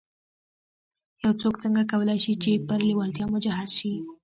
يو څوک څنګه کولای شي چې پر لېوالتیا مجهز شي.